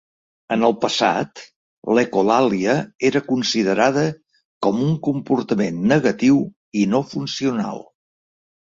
En el passat, l'ecolàlia era considerada com un comportament negatiu i no funcional.